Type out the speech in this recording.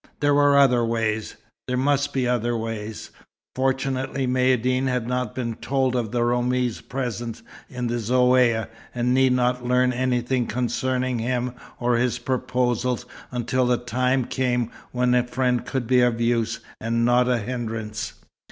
There were other ways there must be other ways. Fortunately Maïeddine had not been told of the Roumi's presence in the Zaouïa, and need not learn anything concerning him or his proposals until the time came when a friend could be of use and not a hindrance.